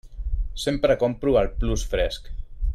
Sempre compro al Plus Fresc.